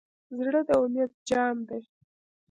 زړه د امید جام دی.